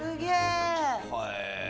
へえ。